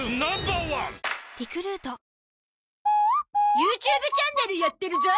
ＹｏｕＴｕｂｅ チャンネルやってるゾ